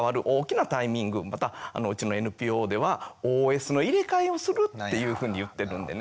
またうちのＮＰＯではＯＳの入れ替えをするっていうふうに言ってるんでね。